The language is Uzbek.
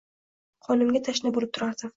qonimga tashna bo‘lib turardim.